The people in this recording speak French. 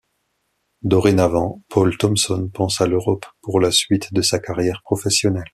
Dorénavant, Paul Thompson pense à l'Europe pour la suite de sa carrière professionnelle.